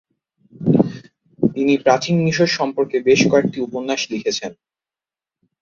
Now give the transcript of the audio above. তিনি প্রাচীন মিশর সম্পর্কে বেশ কয়েকটি উপন্যাস লিখেছেন।